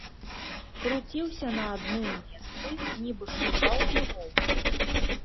Круціўся на адным месцы, нібы шукаў іголку.